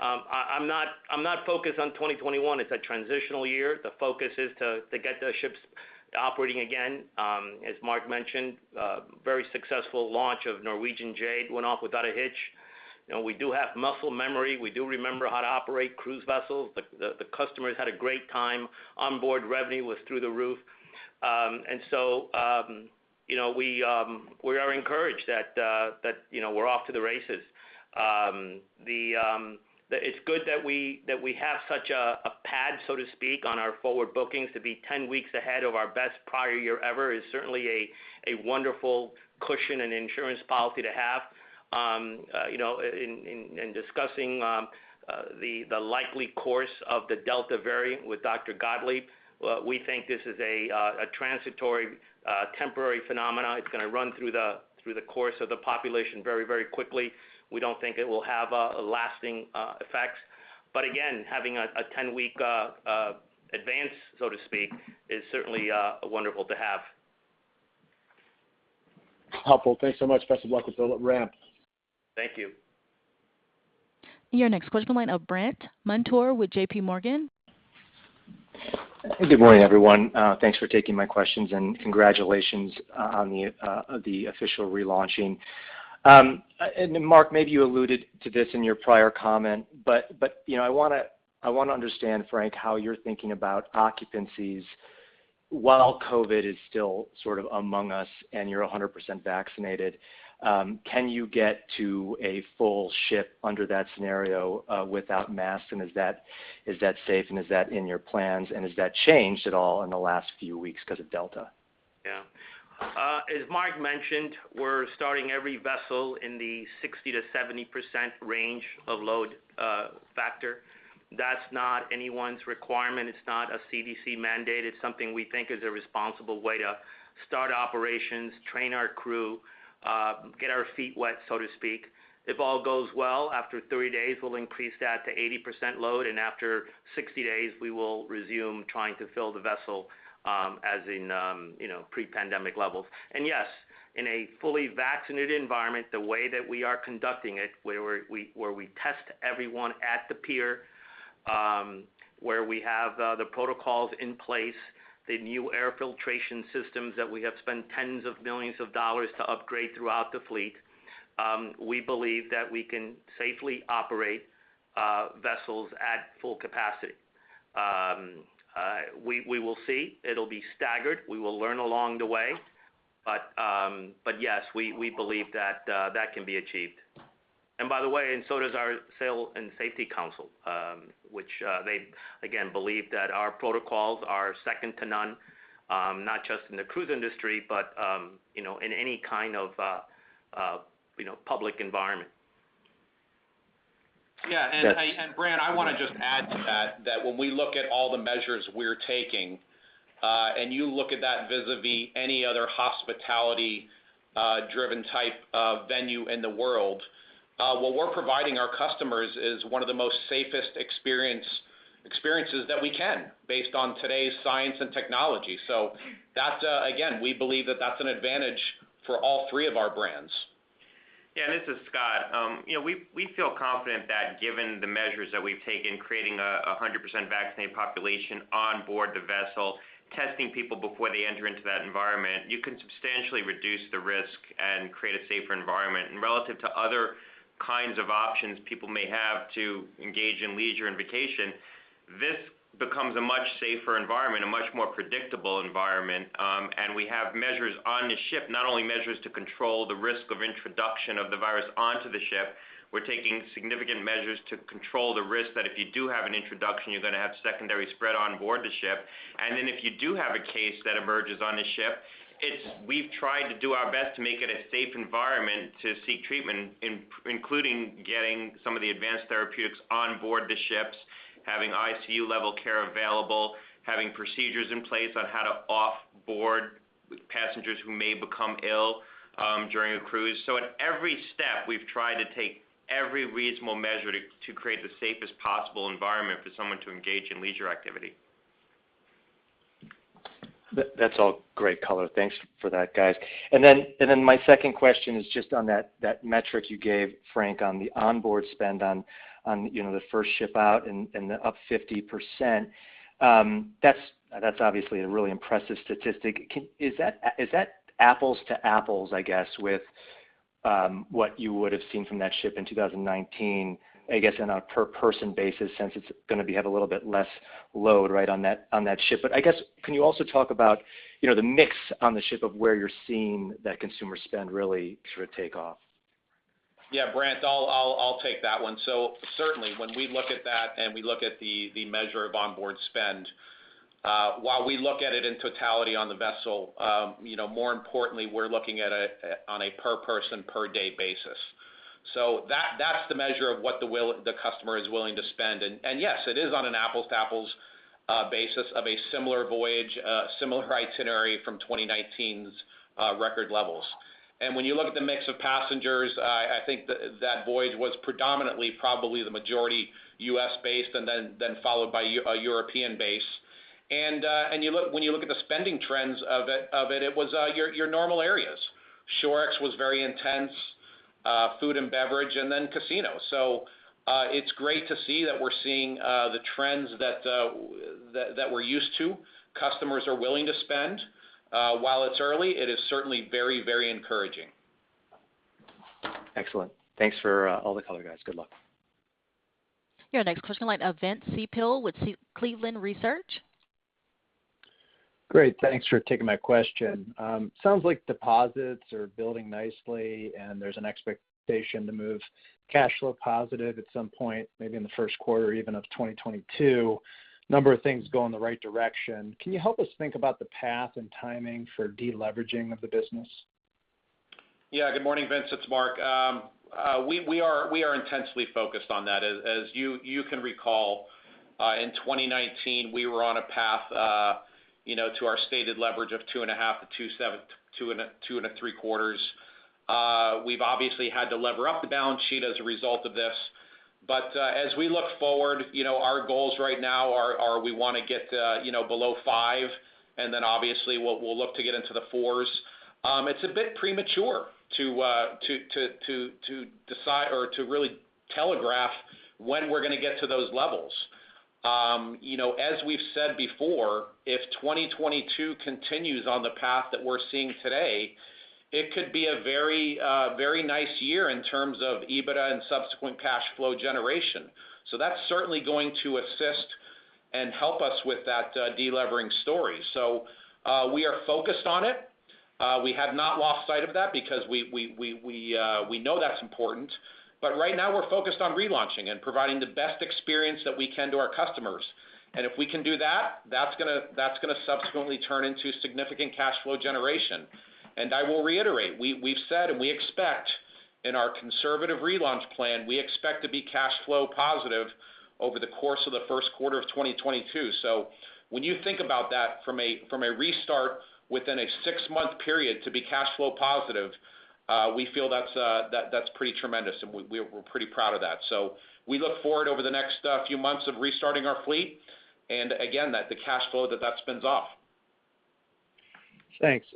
I'm not focused on 2021. It's a transitional year. The focus is to get the ships operating again. As Mark mentioned, very successful launch of Norwegian Jade. Went off without a hitch. We do have muscle memory. We do remember operate cruise vessels. The customers had a great time. Onboard revenue was through the roof. We are encouraged that we're off to the races. It's good that we have such a pad, so to speak, on our forward bookings. To be 10 weeks ahead of our best prior year ever is certainly a wonderful cushion and insurance policy to have. In discussing the likely course of the Delta variant with Dr. Gottlieb, we think this is a transitory, temporary phenomenon. It's going to run through the course of the population very quickly. We don't think it will have a lasting effect. Again, having a 10-week advance, so to speak, is certainly wonderful to have. Helpful. Thanks so much. Best of luck with the ramp. Thank you. Your next question, line of Brandt Montour with JPMorgan. Good morning, everyone. Thanks for taking my questions, and congratulations on the official relaunching. Mark, maybe you alluded to this in your prior comment, but I want to understand, Frank, how you're thinking about occupancies while COVID-19 is still sort of among us and you're 100% vaccinated. Can you get to a full ship under that scenario without masks, and is that safe, and is that in your plans, and has that changed at all in the last few weeks because of Delta? Yeah. As Mark mentioned, we're starting every vessel in the 60%-70% range of load factor. That's not anyone's requirement. It's not a CDC mandate. It's something we think is a responsible way to start operations, train our crew, get our feet wet, so to speak. If all goes well, after 30 days, we'll increase that to 80% load. After 60 days, we will resume trying to fill the vessel as in pre-pandemic levels. Yes, in a fully vaccinated environment, the way that we are conducting it, where we test everyone at the pier, where we have the protocols in place, the new air filtration systems that we have spent tens of millions of dollars to upgrade throughout the fleet, we believe that we can safely operate vessels at full capacity. We will see. It'll be staggered. We will learn along the way. Yes, we believe that that can be achieved. By the way, so does our SailSAFE Global Health and Wellness Council, which they again believe that our protocols are second to none, not just in the cruise industry, but in any kind of public environment. Yeah. Brandt, I want to just add to that when we look at all the measures we're taking, and you look at that vis-à-vis any other hospitality-driven type of venue in the world, what we're providing our customers is one of the most safest experiences that we can based on today's science and technology. That, again, we believe that that's an advantage for all three of our brands. Yeah, this is Scott. We feel confident that given the measures that we've taken, creating 100% vaccinated population on board the vessel, testing people before they enter into that environment, you can substantially reduce the risk and create a safer environment. Relative to other kinds of options people may have to engage in leisure and vacation, this becomes a much safer environment, a much more predictable environment. We have measures on the ship, not only measures to control the risk of introduction of the virus onto the ship, we're taking significant measures to control the risk that if you do have an introduction, you're going to have secondary spread on board the ship. If you do have a case that emerges on the ship, we've tried to do our best to make it a safe environment to seek treatment, including getting some of the advanced therapeutics on board the ships, having ICU-level care available, having procedures in place on how to off-board passengers who may become ill during a cruise. At every step, we've tried to take every reasonable measure to create the safest possible environment for someone to engage in leisure activity. That's all great color. Thanks for that, guys. My second question is just on that metric you gave, Frank, on the onboard spend on the first ship out and the up 50%. That's obviously a really impressive statistic. Is that apples to apples, I guess, with what you would have seen from that ship in 2019, I guess, on a per person basis, since it's going to have a little bit less load on that ship. I guess, can you also talk about the mix on the ship of where you're seeing that consumer spend really sort of take off? Yeah, Brandt, I'll take that one. Certainly, when we look at that and we look at the measure of onboard spend, while we look at it in totality on the vessel, more importantly, we're looking at it on a per person per day basis. That's the measure of what the customer is willing to spend. Yes, it is on an apples-to-apples basis of a similar voyage, similar itinerary from 2019's record levels. When you look at the mix of passengers, I think that voyage was predominantly probably the majority U.S.-based and then followed by a European base. When you look at the spending trends of it was your normal areas. Shore ex was very intense. Food and beverage and then casino. It's great to see that we're seeing the trends that we're used to. Customers are willing to spend. While it's early, it is certainly very encouraging. Excellent. Thanks for all the color, guys. Good luck. Your next question in line, Vince Ciepiel with Cleveland Research. Great. Thanks for taking my question. Sounds like deposits are building nicely, and there's an expectation to move cash flow positive at some point, maybe in the first quarter even of 2022. Number of things going in the right direction. Can you help us think about the path and timing for de-leveraging of the business? Good morning, Vince. It's Mark. We are intensely focused on that. As you can recall, in 2019, we were on a path to our stated leverage of 2.5x to 2.75x. We've obviously had to lever up the balance sheet as a result of this. As we look forward, our goals right now are we want to get below 5x, and then obviously, we'll look to get into the 4s. It's a bit premature to really telegraph when we're going to get to those levels. As we've said before, if 2022 continues on the path that we're seeing today, it could be a very nice year in terms of EBITDA and subsequent cash flow generation. That's certainly going to assist and help us with that de-levering story. We are focused on it. We have not lost sight of that because we know that's important. Right now we're focused on relaunching and providing the best experience that we can to our customers. If we can do that's going to subsequently turn into significant cash flow generation. I will reiterate, we've said, and we expect in our conservative relaunch plan, we expect to be cash flow positive over the course of the first quarter of 2022. When you think about that from a restart within a six-month period to be cash flow positive, we feel that's pretty tremendous, and we're pretty proud of that. We look forward over the next few months of restarting our fleet, and again, the cash flow that that spins off. Thanks.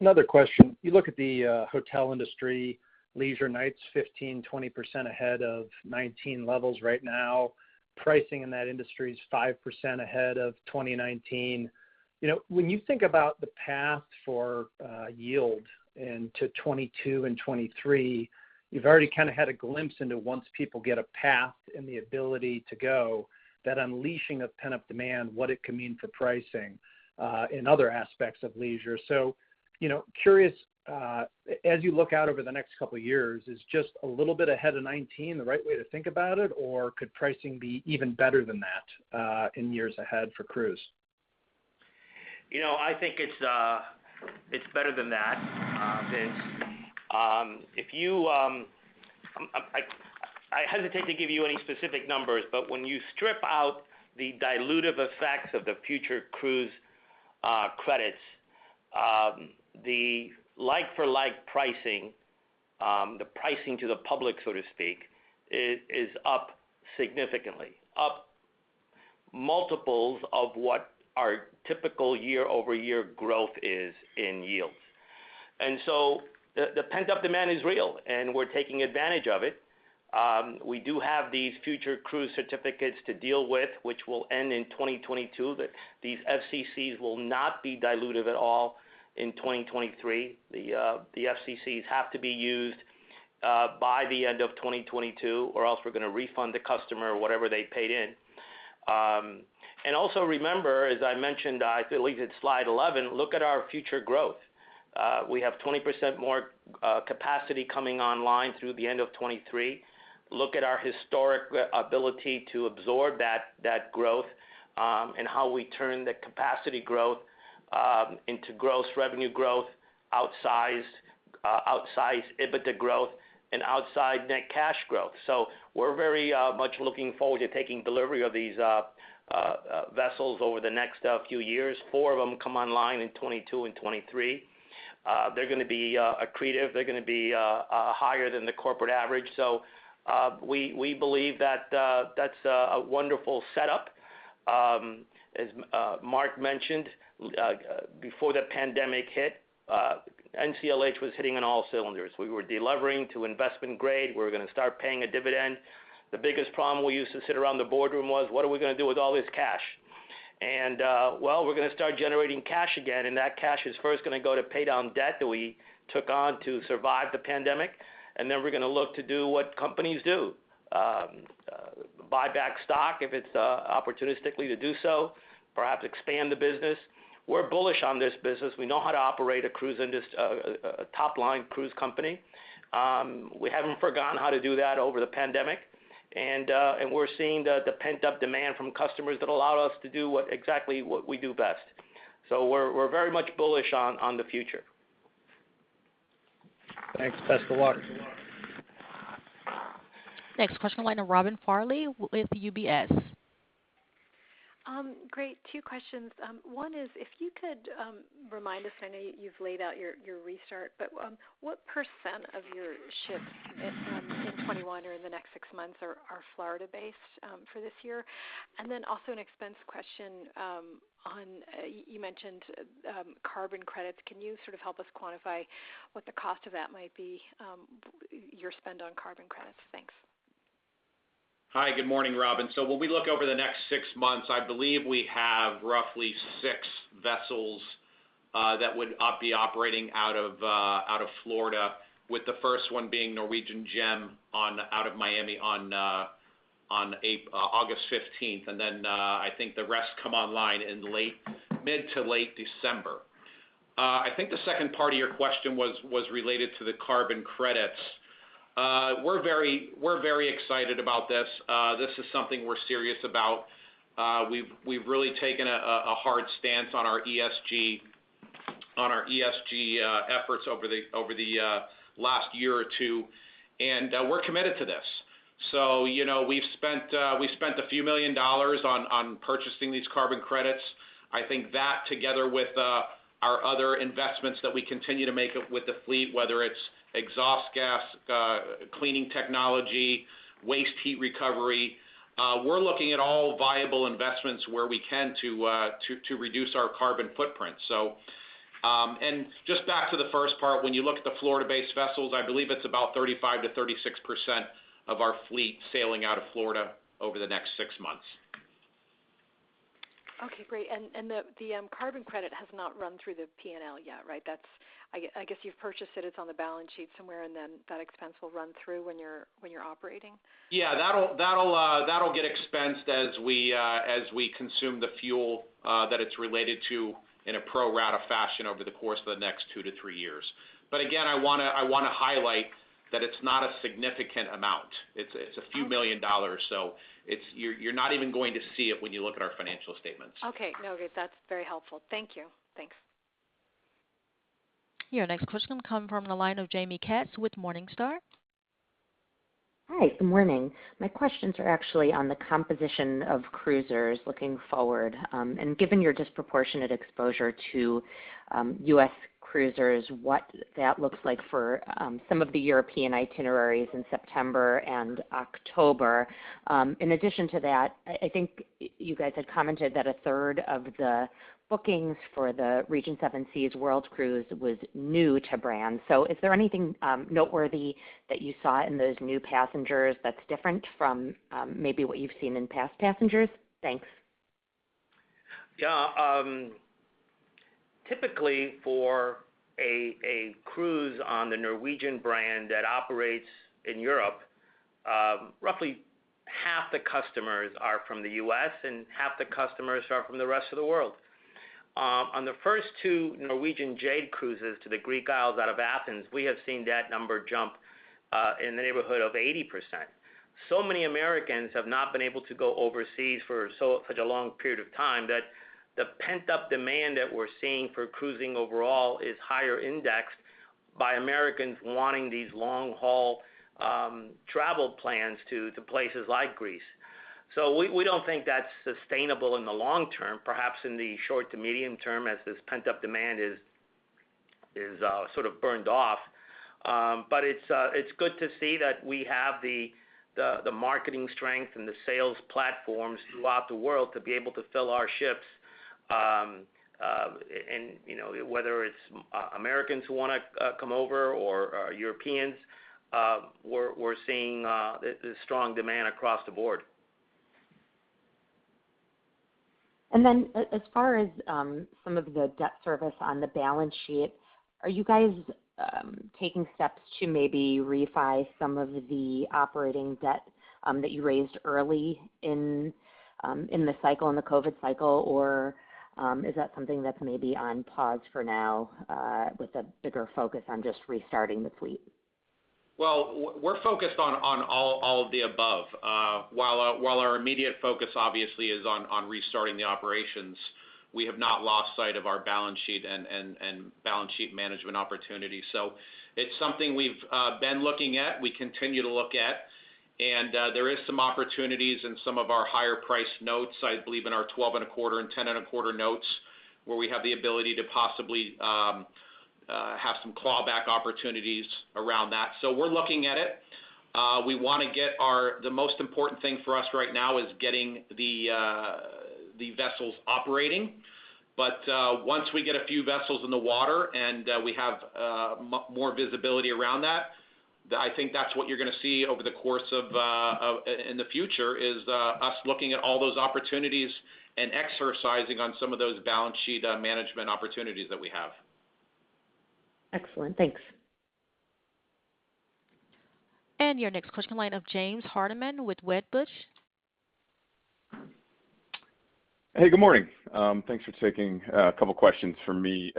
Another question. You look at the hotel industry, leisure nights 15%, 20% ahead of 2019 levels right now. Pricing in that industry is 5% ahead of 2019. When you think about the path for yield into 2022 and 2023, you've already kind of had a glimpse into once people get a path and the ability to go, that unleashing of pent-up demand, what it can mean for pricing in other aspects of leisure. Curious, as you look out over the next couple of years, is just a little bit ahead of 2019 the right way to think about it, or could pricing be even better than that in years ahead for cruise? I think it's better than that, Vince. I hesitate to give you any specific numbers, but when you strip out the dilutive effects of the future cruise credits, the like-for-like pricing, the pricing to the public, so to speak, is up significantly, up multiples of what our typical year-over-year growth is in yields. The pent-up demand is real, and we're taking advantage of it. We do have these future cruise certificates to deal with, which will end in 2022. These FCCs will not be dilutive at all in 2023. The FCCs have to be used by the end of 2022 or else we're going to refund the customer whatever they paid in. Also remember, as I mentioned, I believe it's slide 11, look at our future growth. We have 20% more capacity coming online through the end of 2023. Look at our historic ability to absorb that growth, how we turn the capacity growth into gross revenue growth, outsized EBITDA growth, and outsized net cash growth. We're very much looking forward to taking delivery of these vessels over the next few years. Four of them come online in 2022 and 2023. They're going to be accretive. They're going to be higher than the corporate average. We believe that's a wonderful setup. As Mark mentioned, before the pandemic hit, NCLH was hitting on all cylinders. We were de-levering to investment grade. We were going to start paying a dividend. The biggest problem we used to sit around the boardroom was, what are we going to do with all this cash? Well, we're going to start generating cash again, and that cash is first going to go to pay down debt that we took on to survive the pandemic, and then we're going to look to do what companies do. Buy back stock if it's opportunistically to do so, perhaps expand the business. We're bullish on this business. We know how to operate a top-line cruise company. We haven't forgotten how to do that over the pandemic, and we're seeing the pent-up demand from customers that allow us to do exactly what we do best. We're very much bullish on the future. Thanks. Best of luck. Next question in line to Robin Farley with UBS. Great. Two questions. One is if you could remind us, I know you've laid out your restart, but what percent of your ships in 2021 or in the next six months are Florida-based for this year? Also an expense question. You mentioned carbon credits. Can you sort of help us quantify what the cost of that might be, your spend on carbon credits? Thanks. Hi, good morning, Robin. When we look over the next six months, I believe we have roughly six vessels that would be operating out of Florida, with the first one being Norwegian Gem out of Miami on August 15th. I think the rest come online in mid to late December. I think the second part of your question was related to the carbon credits. We're very excited about this. This is something we're serious about. We've really taken a hard stance on our ESG efforts over the last year or two, and we're committed to this. We've spent a few million dollars on purchasing these carbon credits. I think that, together with our other investments that we continue to make with the fleet, whether it's exhaust gas cleaning technology, waste heat recovery, we're looking at all viable investments where we can to reduce our carbon footprint. Just back to the first part, when you look at the Florida-based vessels, I believe it's about 35%-36% of our fleet sailing out of Florida over the next six months. Okay, great. The carbon credit has not run through the P&L yet, right? I guess you've purchased it's on the balance sheet somewhere, that expense will run through when you're operating? Yeah, that'll get expensed as we consume the fuel that it's related to in a pro rata fashion over the course of the next two to three years. Again, I want to highlight that it's not a significant amount. It's a few million dollars. You're not even going to see it when you look at our financial statements. Okay. No, that's very helpful. Thank you. Thanks. Your next question comes from the line of Jaime Katz with Morningstar. Hi. Good morning. My questions are actually on the composition of cruisers looking forward. Given your disproportionate exposure to U.S. cruisers, what that looks like for some of the European itineraries in September and October. In addition to that, I think you guys had commented that a third of the bookings for the Regent Seven Seas World Cruise was new to brand. Is there anything noteworthy that you saw in those new passengers that's different from maybe what you've seen in past passengers? Thanks. Typically, for a cruise on the Norwegian brand that operates in Europe, roughly half the customers are from the U.S., and half the customers are from the rest of the world. On the first two Norwegian Jade cruises to the Greek Isles out of Athens, we have seen that number jump in the neighborhood of 80%. Many Americans have not been able to go overseas for such a long period of time that the pent-up demand that we're seeing for cruising overall is higher indexed by Americans wanting these long-haul travel plans to places like Greece. We don't think that's sustainable in the long term, perhaps in the short to medium term as this pent-up demand is sort of burned off. It's good to see that we have the marketing strength and the sales platforms throughout the world to be able to fill our ships. Whether it's Americans who want to come over or Europeans, we're seeing strong demand across the board. Then as far as some of the debt service on the balance sheet, are you guys taking steps to maybe refi some of the operating debt that you raised early in the COVID-19 cycle? Or is that something that's maybe on pause for now with a bigger focus on just restarting the fleet? Well, we're focused on all of the above. While our immediate focus obviously is on restarting the operations, we have not lost sight of our balance sheet and balance sheet management opportunities. It's something we've been looking at, we continue to look at, there is some opportunities in some of our higher-priced notes, I believe in our 12.25% and 10.25% notes, where we have the ability to possibly have some clawback opportunities around that. We're looking at it. The most important thing for us right now is getting the vessels operating. Once we get a few vessels in the water and we have more visibility around that, I think that's what you're going to see over the course in the future, is us looking at all those opportunities and exercising on some of those balance sheet management opportunities that we have. Excellent. Thanks. Your next question, line of James Hardiman with Wedbush. Hey, good morning. Thanks for taking a couple questions from me.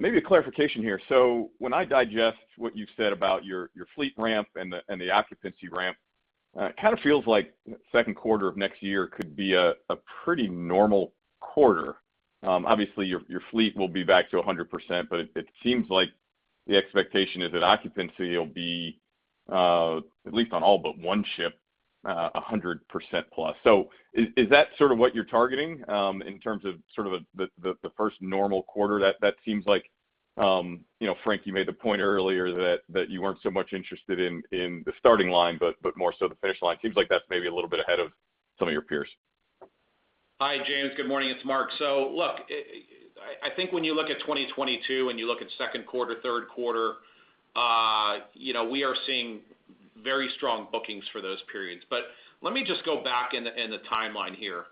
Maybe a clarification here. When I digest what you've said about your fleet ramp and the occupancy ramp, it kind of feels like second quarter of next year could be a pretty normal quarter. Obviously, your fleet will be back to 100%, but it seems like the expectation is that occupancy will be, at least on all but one ship, 100% plus. Is that sort of what you're targeting in terms of the first normal quarter? That seems like, Frank, you made the point earlier that you weren't so much interested in the starting line, but more so the finish line. Seems like that's maybe a little bit ahead of some of your peers. Hi, James. Good morning. It's Mark. Look, I think when you look at 2022 and you look at second quarter, third quarter, we are seeing very strong bookings for those periods. Let me just go back in the timeline here.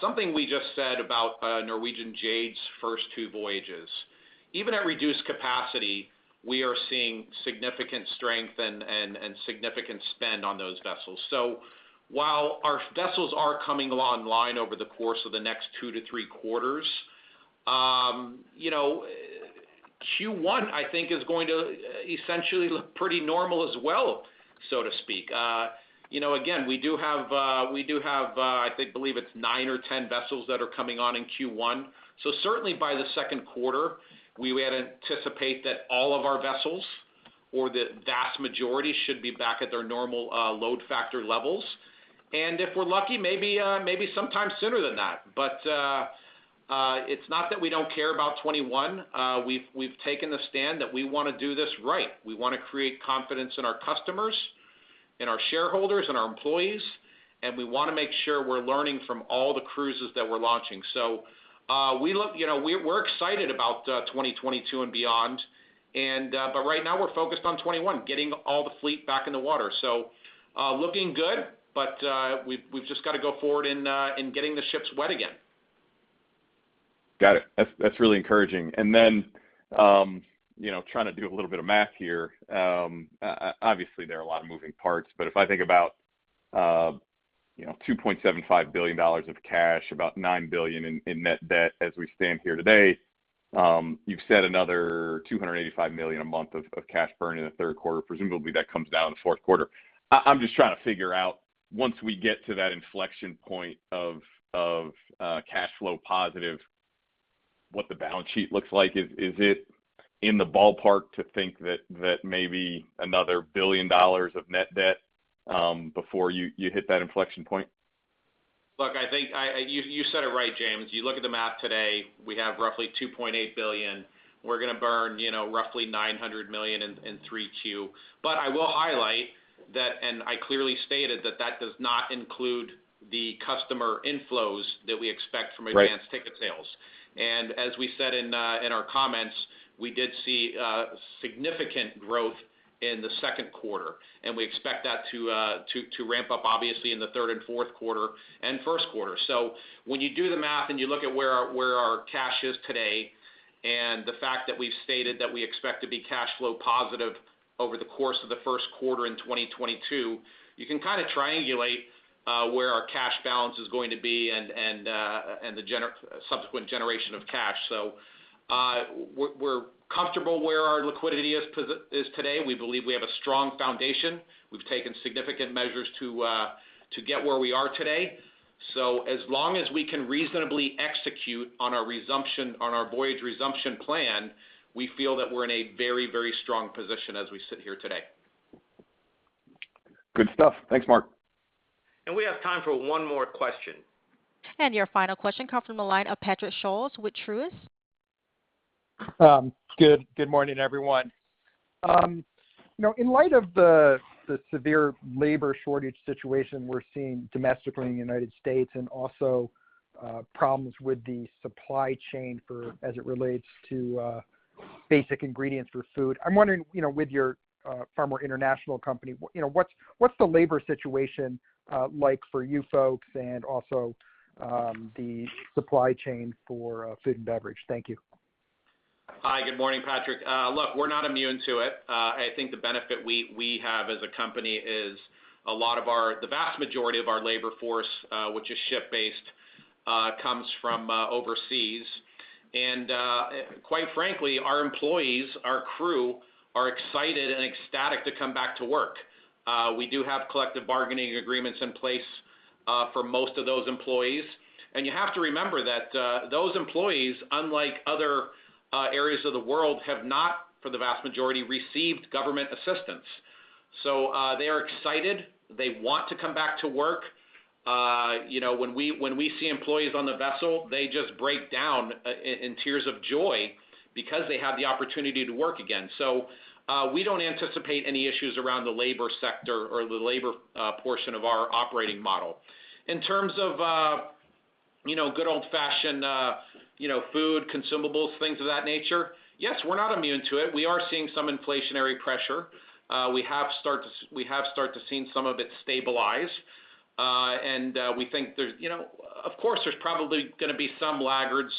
Something we just said about Norwegian Jade's first two voyages. Even at reduced capacity, we are seeing significant strength and significant spend on those vessels. While our vessels are coming online over the course of the next two to three quarters, Q1, I think is going to essentially look pretty normal as well, so to speak. Again, we do have, I believe it's nine or 10 vessels that are coming on in Q1. Certainly by the second quarter, we would anticipate that all of our vessels, or the vast majority, should be back at their normal load factor levels. If we're lucky, maybe sometime sooner than that. It's not that we don't care about 2021. We've taken the stand that we want to do this right. We want to create confidence in our customers, in our shareholders, in our employees, and we want to make sure we're learning from all the cruises that we're launching. We're excited about 2022 and beyond. Right now we're focused on 2021, getting all the fleet back in the water. Looking good, but we've just got to go forward in getting the ships wet again. Got it. That's really encouraging. Trying to do a little bit of math here. Obviously, there are a lot of moving parts, but if I think about $2.75 billion of cash, about $9 billion in net debt as we stand here today. You've said another $285 million a month of cash burn in the third quarter. Presumably, that comes down in the fourth quarter. I'm just trying to figure out, once we get to that inflection point of cash flow positive, what the balance sheet looks like. Is it in the ballpark to think that maybe another $1 billion of net debt before you hit that inflection point? Look, I think you said it right, James. You look at the math today, we have roughly $2.8 billion. We're going to burn roughly $900 million in 3Q. I will highlight that, and I clearly stated that does not include the customer inflows that we expect- Right From advanced ticket sales. As we said in our comments, we did see significant growth in the second quarter, and we expect that to ramp up obviously in the third and fourth quarter and first quarter. When you do the math and you look at where our cash is today, and the fact that we've stated that we expect to be cash flow positive over the course of the first quarter in 2022, you can kind of triangulate where our cash balance is going to be and the subsequent generation of cash. We're comfortable where our liquidity is today. We believe we have a strong foundation. We've taken significant measures to get where we are today. As long as we can reasonably execute on our voyage resumption plan, we feel that we're in a very strong position as we sit here today. Good stuff. Thanks, Mark. We have time for one more question. Your final question comes from the line of Patrick Scholes with Truist Securities Good morning, everyone. In light of the severe labor shortage situation we're seeing domestically in the U.S. and also problems with the supply chain as it relates to basic ingredients for food. I'm wondering, with your far more international company, what's the labor situation like for you folks and also the supply chain for food and beverage? Thank you. Hi, good morning, Patrick. We're not immune to it. I think the benefit we have as a company is the vast majority of our labor force, which is ship-based, comes from overseas. Quite frankly, our employees, our crew, are excited and ecstatic to come back to work. We do have collective bargaining agreements in place for most of those employees. You have to remember that those employees, unlike other areas of the world, have not, for the vast majority, received government assistance. They are excited. They want to come back to work. When we see employees on the vessel, they just break down in tears of joy because they have the opportunity to work again. We don't anticipate any issues around the labor sector or the labor portion of our operating model. In terms of good old-fashioned food, consumables, things of that nature, yes, we're not immune to it. We are seeing some inflationary pressure. We have started to see some of it stabilize. Of course, there's probably going to be some laggards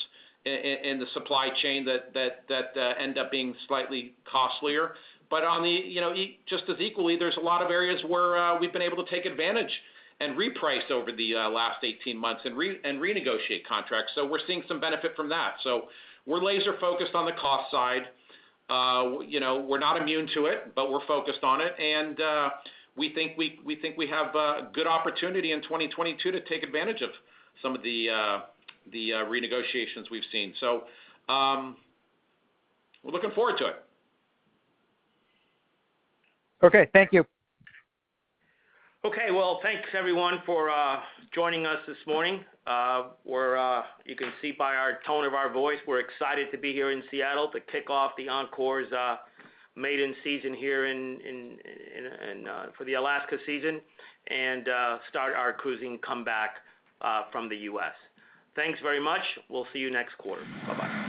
in the supply chain that end up being slightly costlier. Just as equally, there's a lot of areas where we've been able to take advantage and reprice over the last 18 months and renegotiate contracts. We're seeing some benefit from that. We're laser-focused on the cost side. We're not immune to it, but we're focused on it. We think we have a good opportunity in 2022 to take advantage of some of the renegotiations we've seen. We're looking forward to it. Okay. Thank you. Well, thanks everyone for joining us this morning. You can see by our tone of our voice, we're excited to be here in Seattle to kick off the Encore's maiden season here for the Alaska season and start our cruising comeback from the U.S. Thanks very much. We'll see you next quarter. Bye-bye.